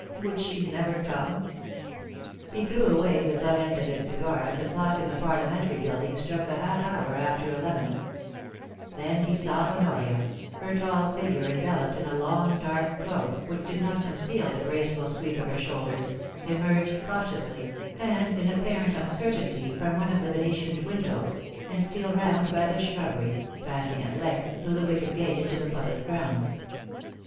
Would she never come ? He threw away the butt end of his cigar as the clock in IN PERIL. 341 the Parliamentary Buildings struck the half hour after eleven Then he saw Honoria, her tall figure enveloped in a long dark cloak which did not conceal the graceful sweep of her shoulders, emerge cautiously, and in apparent uncertainty, from one of the venetianed windows, and steal round by the shrubbery, passing at length through the wicket gate into the public grounds.